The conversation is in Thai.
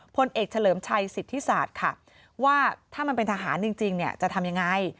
พลเอกเฉลิมชัยสิทธิศาสตร์ค่ะว่าถ้ามันเป็นทหารจริงจะทำยังไง